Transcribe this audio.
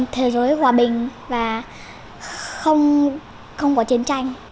thế giới hòa bình và không có chiến tranh